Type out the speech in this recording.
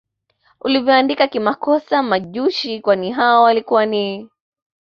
ulivyoandika kimakosa Majushi kwani hao walikuwa ni